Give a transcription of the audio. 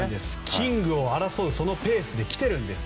キングを争うペースで来ているんです。